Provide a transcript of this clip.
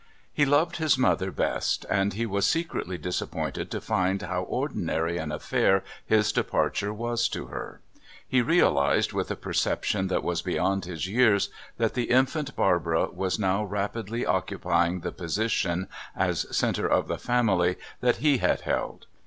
He loved his mother best, and he was secretly disappointed to find how ordinary an affair his departure was to her. He realised, with a perception that was beyond his years, that the infant Barbara was now rapidly occupying the position, as centre of the family, that he had held.